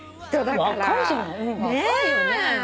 若いよね？